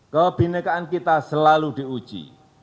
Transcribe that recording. kebhinnekaan kita selalu diuji